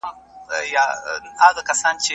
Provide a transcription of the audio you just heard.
قاضي د مرتد د سزا پرېکړه کړې وه.